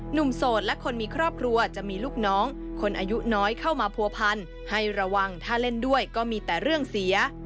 โสดและคนมีครอบครัวจะมีลูกน้องคนอายุน้อยเข้ามาผัวพันให้ระวังถ้าเล่นด้วยก็มีแต่เรื่องเสีย